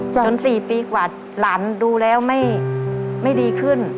๔ปีกว่าหลานดูแล้วไม่ดีขึ้น